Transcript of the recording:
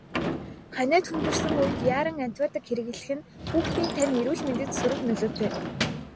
Ханиад хүндэрсэн үед яаран антибиотик хэрэглэх нь хүүхдийн тань эрүүл мэндэд сөрөг нөлөөтэй.